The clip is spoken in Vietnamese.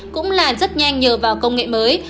cũng là rất nhanh nhờ vào công nghệ mới